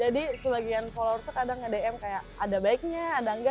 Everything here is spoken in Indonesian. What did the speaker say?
jadi sebagian followersnya kadang nge dm kayak ada baiknya ada nggak